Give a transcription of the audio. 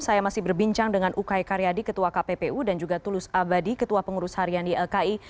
saya masih berbincang dengan ukay karyadi ketua kppu dan juga tulus abadi ketua pengurus harian di lki